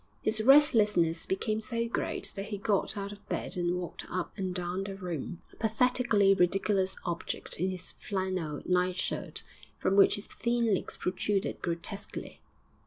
His restlessness became so great that he got out of bed and walked up and down the room a pathetically ridiculous object in his flannel nightshirt, from which his thin legs protruded grotesquely.